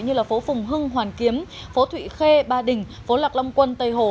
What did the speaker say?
như phố phùng hưng hoàn kiếm phố thụy khê ba đình phố lạc long quân tây hồ